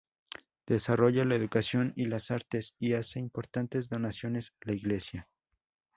Desarrolla la educación y las artes y hace importantes donaciones a la Iglesia.